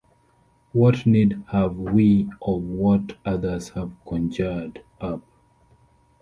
What need have we of what others have conjured up?